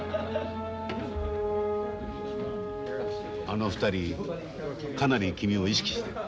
あの２人かなり君を意識してる。